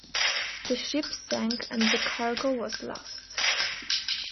The ship sank and the cargo was lost.